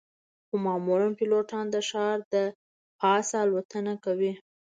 خو معمولاً پیلوټان د ښار د پاسه الوتنه کوي